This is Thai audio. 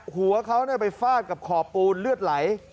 หัวเขาไปฟาดกับขอบปูนเลือดไหล